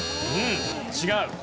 違う。